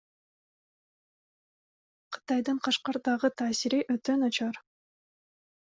Кытайдын Кашкардагы таасири өтө начар.